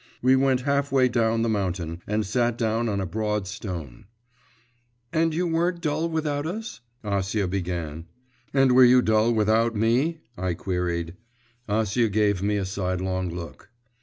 We went half way down the mountain, and sat down on a broad stone. 'And you weren't dull without us?' Acia began. 'And were you dull without me?' I queried. Acia gave me a sidelong look.